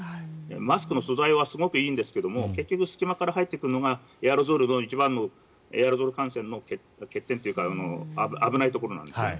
マスクの素材はすごくいいんですが結局、隙間から入ってくるのがエアロゾル感染の一番の欠点というか危ないところなんです。